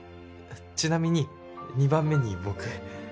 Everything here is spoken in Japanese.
ちなみに２番目に僕。